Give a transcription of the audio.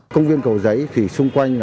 công viên cổ giấy thì xung quanh